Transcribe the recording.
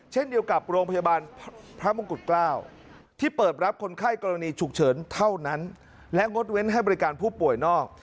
เช่นเดียวกับโรงพยาบาลพระมงกุฎเกล้าที่เปิดรับคนไข้กรณีฉุกเฉินเท่านั้นและงดเว้นให้บริการผู้ป่วยนอก